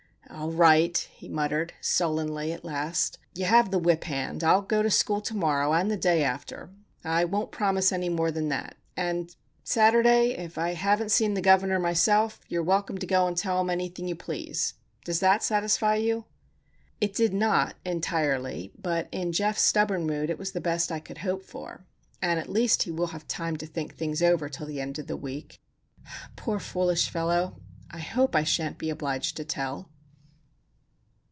"All right," he muttered, sullenly, at last. "You have the whip hand. I'll go to school to morrow and the day after. I won't promise more than that. And Saturday, if I haven't seen the governor myself, you are welcome to go and tell him anything you please. Does that satisfy you?" It did not, entirely; but in Geof's stubborn mood it was the best I could hope for, and at least he will have time to think things over till the end of the week. Poor, foolish fellow! I hope I shan't be obliged to tell!